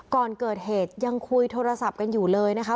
ก่อนเกิดเหตุยังคุยโทรศัพท์กันอยู่เลยนะคะ